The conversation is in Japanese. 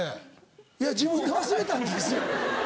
いや自分で忘れたんですよ。